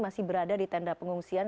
masih berada di tenda pengungsian